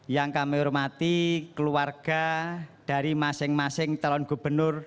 yang kami hormati keluarga dari masing masing calon gubernur